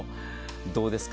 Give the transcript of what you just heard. どうですか？